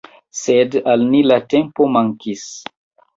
Sed al ni, la tempo mankis.